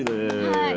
はい。